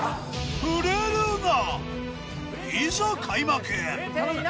『ふれるな！』いざ開幕！